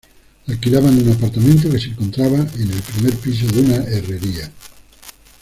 Alquilaban un apartamento que se encontraba en el primer piso de una herrería.